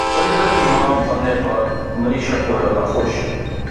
سنجے دت کی ماں بننے پرمنیشا کوئرالا خوش